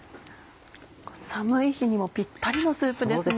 寒い日にもぴったりのスープですね。